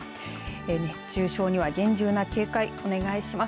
熱中症には厳重な警戒お願いします。